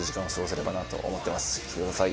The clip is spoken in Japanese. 来てください。